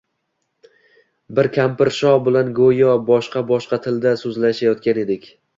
Biz kampirsho bilan go‘yo boshka-boshqa tilda so‘zlashayotgan edik.